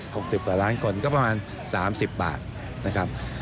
๖๐กว่าล้านคนก็ประมาณ๓๐บาทนะครับ